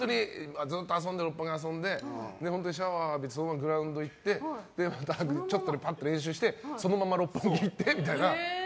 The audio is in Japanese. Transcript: ずっと六本木で遊んでシャワー浴びてそのままグラウンド行ってちょっと練習してそのまま六本木行ってみたいな。